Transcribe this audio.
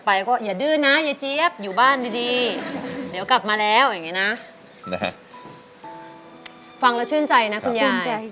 ฟังแล้วชื่นใจนะคุณยายชื่นใจค่ะ